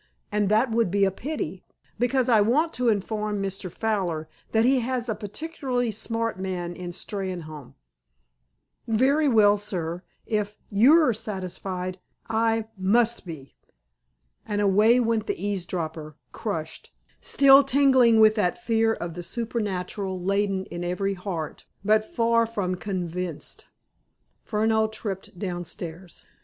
And that would be a pity, because I want to inform Mr. Fowler that he has a particularly smart man in Steynholme." "Very well, sir, if you're satisfied, I must be." And away went the eavesdropper, crushed, still tingling with that fear of the supernatural latent in every heart, but far from convinced. Furneaux tripped downstairs.